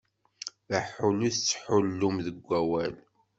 D aḥullu i tettḥullum deg wawal.